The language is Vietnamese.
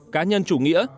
cá nhân chủ nghĩa